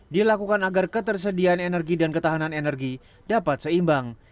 dilakukan agar ketersediaan energi dan ketahanan energi dapat seimbang